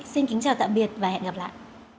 xin kính chào tạm biệt và hẹn gặp lại